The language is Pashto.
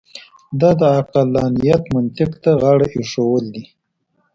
دا د عقلانیت منطق ته غاړه اېښودل دي.